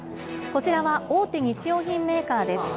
こちらは大手日用品メーカーです。